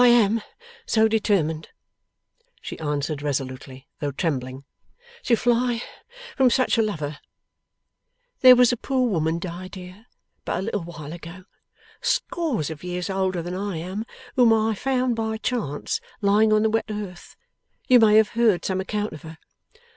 'I am so determined,' she answered resolutely, though trembling, 'to fly from such a lover. There was a poor woman died here but a little while ago, scores of years older than I am, whom I found by chance, lying on the wet earth. You may have heard some account of her?